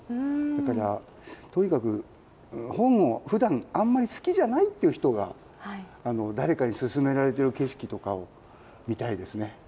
だからとにかく、本をふだんあまり好きじゃないという人が、誰かにすすめられてる景色とかを見たいですね。